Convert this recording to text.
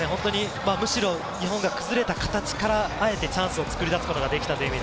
日本が崩れた形からあえてチャンスを作り出すことができた。